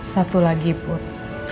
satu lagi put